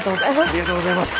ありがとうございます。